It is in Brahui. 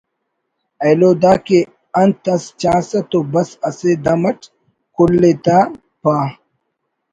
ایلو دا کہ انت اس چاسہ تو بس اسہ دم اٹ کل ءِ تا پا